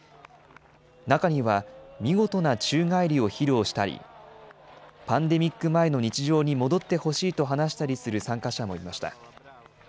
中には、見事な宙返りを披露したり、パンデミック前の日常に戻ってほしいと話したりする参加者もいました。